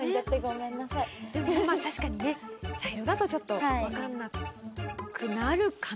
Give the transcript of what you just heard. でもまぁ確かにね茶色だとちょっと分かんなくなるかな？